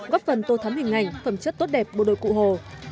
góp phần tô thắm hình ảnh phẩm chất tốt đẹp bộ đội cụ hồ